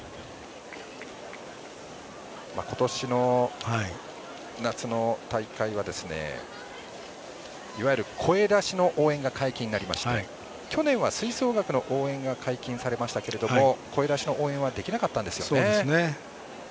今年の夏の大会はいわゆる声出しの応援が解禁になりまして去年は吹奏楽の応援が解禁されましたが声出しの応援はできなかったんですよね。